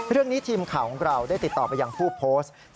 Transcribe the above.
เรื่องนี้ทีมข่าวของเราได้ติดต่อไปอย่างผู้โพสต์